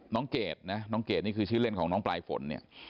เกดนะน้องเกดนี่คือชื่อเล่นของน้องปลายฝนเนี่ย